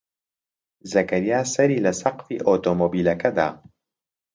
زەکەریا سەری لە سەقفی ئۆتۆمۆبیلەکە دا.